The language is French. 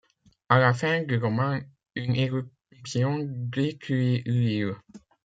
À la fin du roman, une éruption détruit l’île.